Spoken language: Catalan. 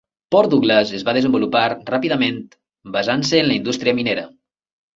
Port Douglas es va desenvolupar ràpidament basant-se en la indústria minera.